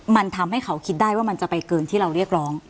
มันทำให้เขาคิดได้ว่ามันจะไปเกินที่เราเรียกร้อง